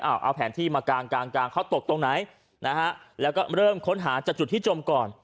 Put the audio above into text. เอาแผนที่มากลางเขาตกตรงไหนแล้วก็มาเริ่มค้นหาจากจุดที่จมก่อน